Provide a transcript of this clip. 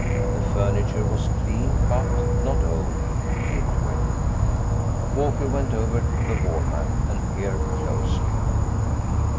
The furniture was clean but—not old; lived with. Walker went over to the wall map and peered closely.